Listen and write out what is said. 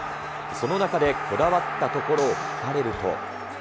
その中でこだわったところを聞かれると。